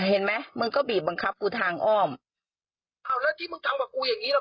เห็นไหมมึงก็บีบบังคับกูทางอ้อมเอาแล้วที่มึงทำกับกูอย่างงีหรอ